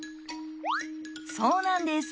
そうなんです。